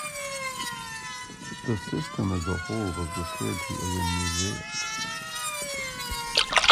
The system as a whole was referred to as a "mosaic".